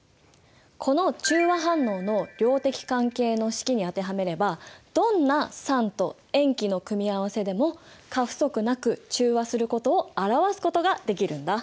この中和反応の量的関係の式に当てはめればどんな酸と塩基の組み合わせでも過不足なく中和することを表すことができるんだ。